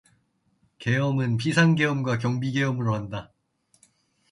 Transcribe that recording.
계엄은 비상계엄과 경비계엄으로 한다.